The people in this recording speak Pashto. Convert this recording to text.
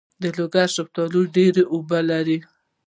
د لوګر شفتالو ډیر اوبه لري.